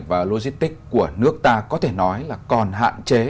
và logistics của nước ta có thể nói là còn hạn chế